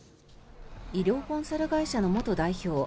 医療コンサル会社の元代表